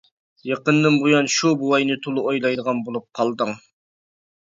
يېقىندىن بۇيان شۇ بوۋاينى تولا ئويلايدىغان بولۇپ قالدىڭ.